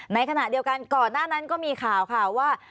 ในขณะเดียวกันก่อนหน้านั้นก็มีข่าวค่ะว่า